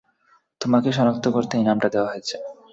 তোমাকে সনাক্ত করতে এই নামটা দেয়া হয়েছে।